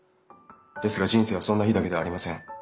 ですが人生はそんな日だけではありません。